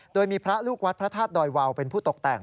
โดยมีพระลูกวัดพระธาตุดอยวาวเป็นผู้ตกแต่ง